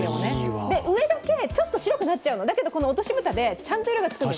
上だけちょっと白くなっちゃうけど、落とし蓋でちゃんと色がつくの。